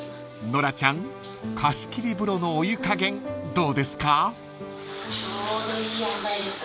［ノラちゃん貸し切り風呂のお湯加減どうですか？］